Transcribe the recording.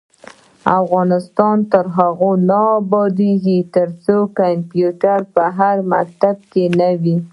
افغانستان تر هغو نه ابادیږي، ترڅو کمپیوټر په هر مکتب کې نه وي.